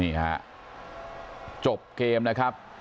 นี่ฮะจบเกมนะครับ